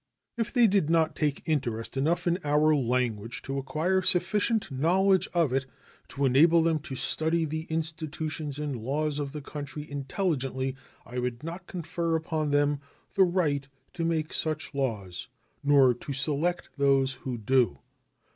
If they did not take interest enough in our language to acquire sufficient knowledge of it to enable them to study the institutions and laws of the country intelligently, I would not confer upon them the right to make such laws nor to select those who do.